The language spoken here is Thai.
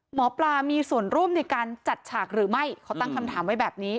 หมอปลามีส่วนร่วมในการจัดฉากหรือไม่เขาตั้งคำถามไว้แบบนี้